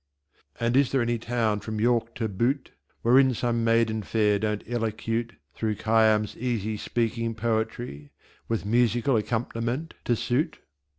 And is there any town from York to Butte Wherein some Maiden fair don't Elocute Through Khayyam's easy speaking poetry, With Musical Accomp'niment to suit?